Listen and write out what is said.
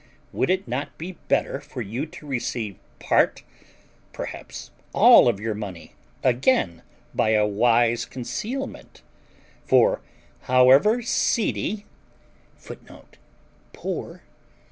Would it not be better for you to receive part (perhaps all) of your money again by a wise concealment: for, however seedy [Footnote: Poor.